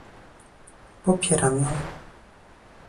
Popieram ją